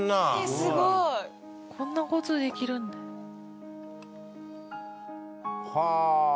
すごい！こんな事できるんだ。はあ！